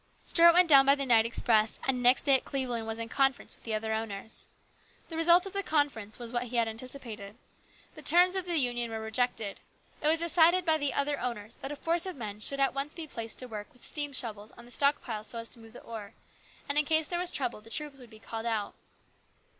Stuart went down by the night express, and next day at Cleveland was in conference with the other owners. The result of the conference was what he had anticipated. The terms of the Union were LARGE RESPONSIBILITIES. 63 rejected. It was decided by the other owners that a force of men should be at once placed to work with steam shovels on the stock piles so as to move the ore, and in case there was trouble the troops would be called out.